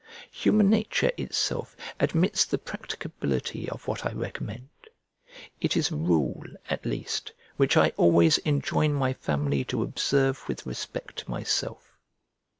Human nature itself admits the practicability of what I recommend: it is a rule, at least, which I always enjoin my family to observe with respect to myself.